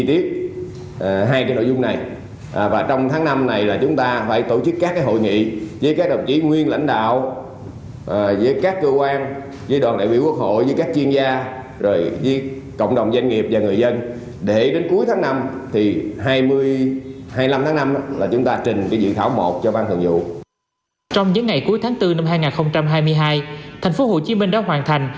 trong những ngày cuối tháng bốn năm hai nghìn hai mươi hai thành phố hồ chí minh đã hoàn thành